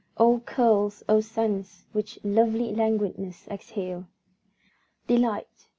O curls, O scents which lovely languidness exhale! Delight!